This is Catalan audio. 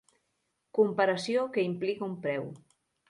Comparació que implica un preu.